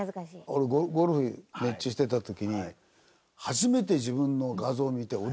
俺ゴルフに熱中してた時に初めて自分の画像を見て驚いたもん。